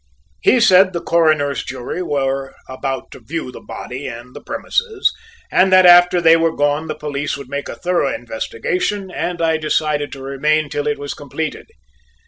He said the Coroner's jury were about to view the body and the premises, and that after they were gone the police would make a thorough investigation and I decided to remain till it was completed.